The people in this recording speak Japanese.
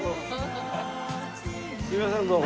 すいませんどうも。